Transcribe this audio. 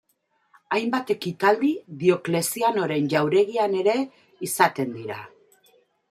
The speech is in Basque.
Hainbat ekitaldi Dioklezianoren jauregian ere izaten dira.